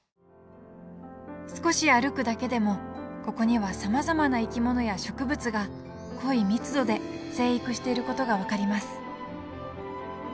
少し歩くだけでもここにはさまざまな生き物や植物が濃い密度で生育していることが分かります。